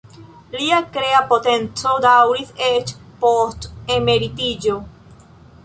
Lia krea potenco daŭris eĉ post emeritiĝo.